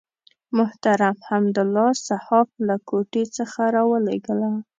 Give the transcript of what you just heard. محترم حمدالله صحاف له کوټې څخه راولېږله.